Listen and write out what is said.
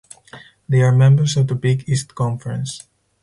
They are members of the Big East Conference.